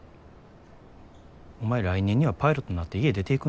お前来年にはパイロットになって家出ていくんやろ。